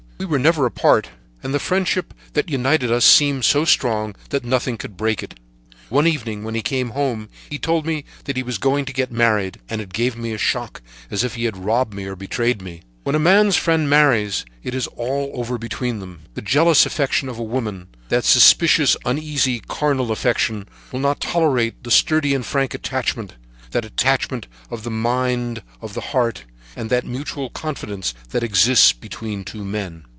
We were never apart, and the friendship that united us seemed so strong that nothing could break it. "One evening when he came home, he told me that he was going to get married, and it gave me a shock as if he had robbed me or betrayed me. When a man's friend marries, it is all over between them. The jealous affection of a woman, that suspicious, uneasy and carnal affection, will not tolerate the sturdy and frank attachment, that attachment of the mind, of the heart, and that mutual confidence which exists between two men.